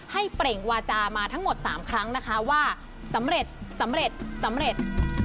เปล่งวาจามาทั้งหมด๓ครั้งนะคะว่าสำเร็จสำเร็จสำเร็จสำเร็จ